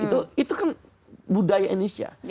itu kan budaya indonesia